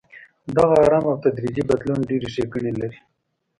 دغه ارام او تدریجي بدلون ډېرې ښېګڼې لري.